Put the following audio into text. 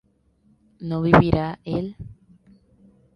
¿no vivirá él?